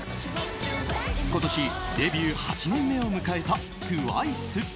今年デビュー７年目を迎えたＴＷＩＣＥ。